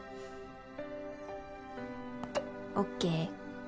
「ＯＫ」。